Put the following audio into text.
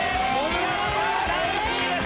第１位です！